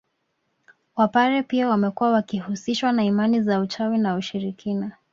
Wapare pia wamekuwa wakihusishwa na imani za uchawi na ushirikina